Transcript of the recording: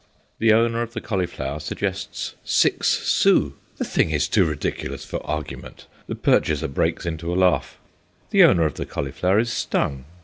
The owner of the cauliflower suggests six sous. The thing is too ridiculous for argument. The purchaser breaks into a laugh. The owner of the cauliflower is stung.